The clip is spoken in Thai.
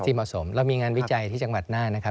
ที่เหมาะสมเรามีงานวิจัยที่จังหวัดหน้านะครับ